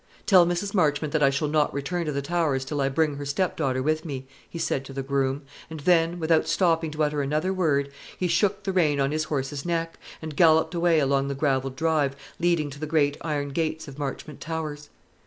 "Tell Mrs. Marchmont that I shall not return to the Towers till I bring her stepdaughter with me," he said to the groom; and then, without stopping to utter another word, he shook the rein on his horse's neck, and galloped away along the gravelled drive leading to the great iron gates of Marchmont Towers.